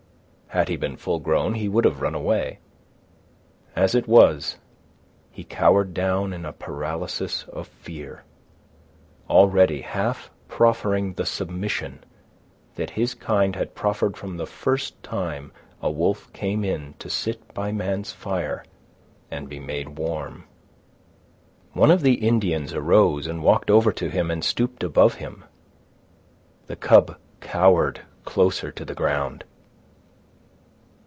Had he been full grown, he would have run away. As it was, he cowered down in a paralysis of fear, already half proffering the submission that his kind had proffered from the first time a wolf came in to sit by man's fire and be made warm. One of the Indians arose and walked over to him and stooped above him. The cub cowered closer to the ground.